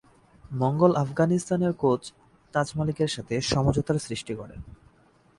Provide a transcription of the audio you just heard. মঙ্গল আফগানিস্তানের কোচ তাজ মালিকের সাথে সমঝোতার সৃষ্টি করেন।